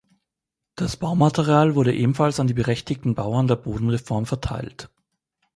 Das Baumaterial wurde ebenfalls an die berechtigten Bauern der Bodenreform verteilt.